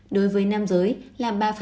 đối với nam giới làm ba bảy lít một ngày